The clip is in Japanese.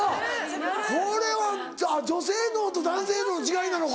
これは女性脳と男性脳の違いなのか。